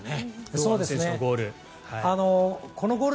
堂安選手のゴール。